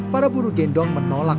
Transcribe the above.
para buru gendong menolak